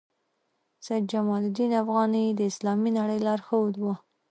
سید جمال الدین افغاني د اسلامي نړۍ لارښود وو.